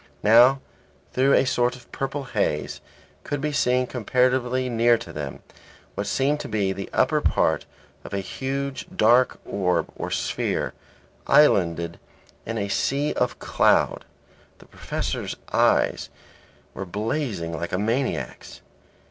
Now, through a sort of purple haze, could be seen comparatively near to them what seemed to be the upper part of a huge, dark orb or sphere, islanded in a sea of cloud. The Professor's eyes were blazing like a maniac's.